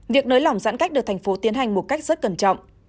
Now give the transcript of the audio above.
việc nới lỏng giãn cách được thành phố tiến hành một cách rất cẩn trọng